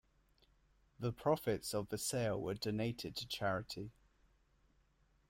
The profits of the sale were donated to charity.